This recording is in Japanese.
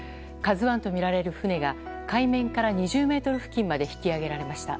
「ＫＡＺＵ１」とみられる船が海面から２０ｍ付近まで引き揚げられました。